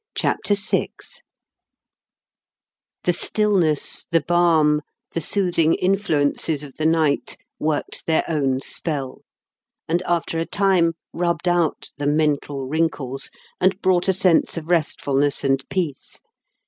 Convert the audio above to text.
CHAPTER VI The stillness, the balm, the soothing influences of the night worked their own spell; and, after a time, rubbed out the mental wrinkles and brought a sense of restfulness and peace.